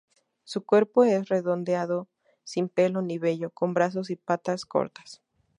Su cuerpo es redondeado, sin pelo ni vello, con brazos y patas cortos.